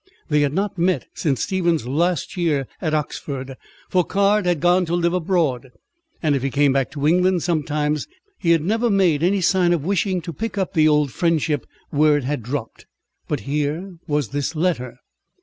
They had not met since Stephen's last year at Oxford, for Caird had gone to live abroad, and if he came back to England sometimes, he had never made any sign of wishing to pick up the old friendship where it had dropped. But here was this letter.